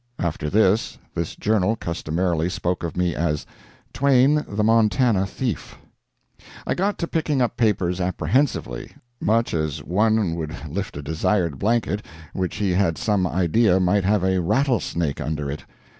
[After this, this journal customarily spoke of me as, "Twain, the Montana Thief."] I got to picking up papers apprehensively much as one would lift a desired blanket which he had some idea might have a rattlesnake under it.